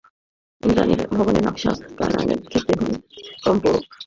ইদানীং ভবনের নকশা প্রণয়নের ক্ষেত্রে ভূমিকম্প ঝুঁকিকে বেশি গুরুত্ব দেওয়া হচ্ছে।